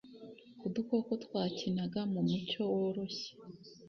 udukoko twakinaga mu mucyo woroshye